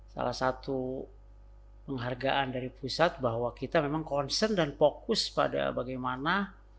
salah satu penghargaan dari pusat bahwa kita memang concern dan fokus pada bagaimana